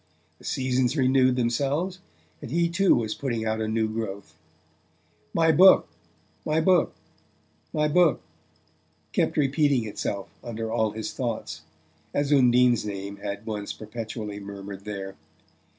The seasons renewed themselves, and he too was putting out a new growth. "My book my book my book," kept repeating itself under all his thoughts, as Undine's name had once perpetually murmured there.